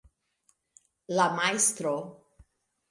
la Majstro